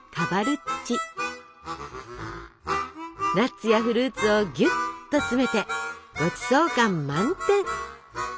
ナッツやフルーツをぎゅっと詰めてごちそう感満点！